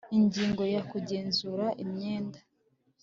Ingingo ya Kugenzura imyenda